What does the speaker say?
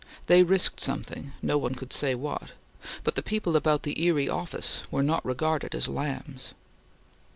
They risked something; no one could say what; but the people about the Erie office were not regarded as lambs.